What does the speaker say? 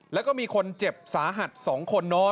แล้วก็มีคนเจ็บสาหัส๒คนเนอะ